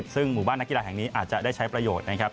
ซึ่งหมู่บ้านนักกีฬาแห่งนี้อาจจะได้ใช้ประโยชน์นะครับ